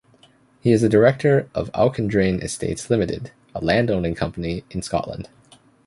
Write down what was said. He is a director of Auchendrane Estates Limited, a landowning company in Scotland.